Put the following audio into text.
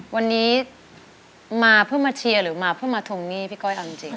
วันนี้มาเพื่อมาเชียร์หรือมาเพื่อมาทวงหนี้พี่ก้อยเอาจริง